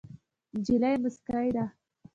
نجلۍ موسکۍ ده.